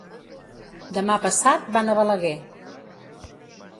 Demà passat van a Balaguer.